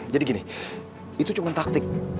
jadi gini itu cuma taktik